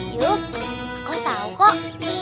yuk aku tau kok